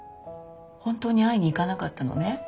本当に会いに行かなかったのね。